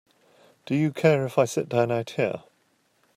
Do you care if I sit down out here?